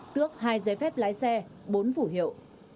tước hai giấy phép lái xe bốn phủ hiệu